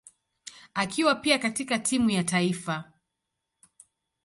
akiwa pia katika timu ya taifa.